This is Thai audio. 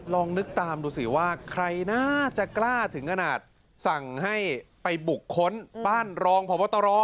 ลองนึกตามดูสิว่าใครน่าจะกล้าถึงขนาดสั่งให้ไปบุกค้นบ้านรองพบตร